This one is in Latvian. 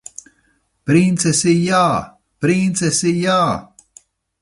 Princesi jā! Princesi jā!